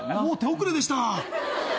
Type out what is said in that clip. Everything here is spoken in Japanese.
もう手遅れでした！